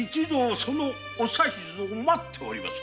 そのお指図を待っておりまする。